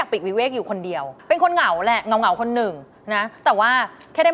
เป็นคนเก่งเพิ่งพาตัวเองได้